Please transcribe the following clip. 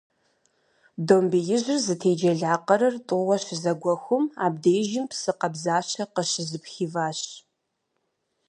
Домбеижьыр зытеджэла къырыр тӀууэ щызэгуэхум, абдежым псы къабзащэ къыщызыпхиващ.